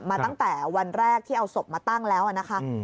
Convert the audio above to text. ตั้งแต่วันแรกที่เอาศพมาตั้งแล้วนะคะ